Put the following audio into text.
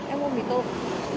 em mua mì tôm